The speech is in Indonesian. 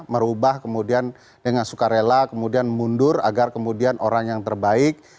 merubah kemudian dengan suka rela kemudian mundur agar kemudian orang yang terbaik